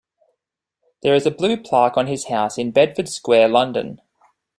There is a blue plaque on his house in Bedford Square, London.